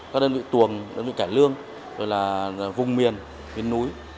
các đơn vị tuồng đơn vị cải lương rồi là vùng miền miền núi